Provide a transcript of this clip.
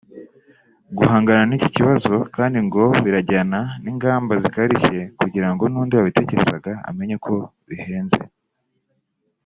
Guhangana n’iki kibazo kandi ngo birajyana n’ingamba zikarishye kugira ngo n’undi wabitekerezaga amenye ko bihenze